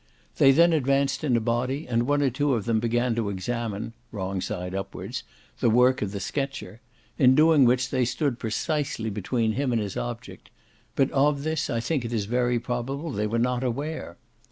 They then advanced in a body, and one or two of them began to examine (wrong side upwards) the work of the sketcher, in doing which they stood precisely between him and his object; but of this I think it is very probable they were not aware.